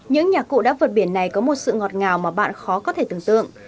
những nhạc cụ đã vượt biển này có một sự ngọt ngào mà bạn khó có thể tưởng tượng